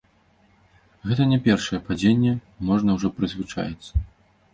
Гэта не першае падзенне, можна ўжо прызвычаіцца.